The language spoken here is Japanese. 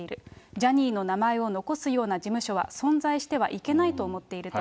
ジャニーの名前を残すような事務所は存在してはいけないと思っていると。